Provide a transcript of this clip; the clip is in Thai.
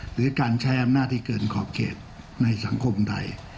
หรือการแชมป์หน้าที่เกินขอบเขตในสังคมไทย